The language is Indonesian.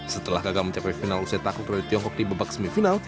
setelah gagal mencapai final usai takut dari tiongkok di babak semifinal